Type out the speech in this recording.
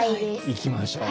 行きましょう。